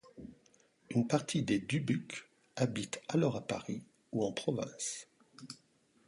Une partie des Du Buc habitent alors à Paris, ou en province.